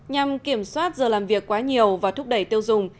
nhằm kiểm soát giờ làm việc quá nhiều và thúc đẩy tiêu dùng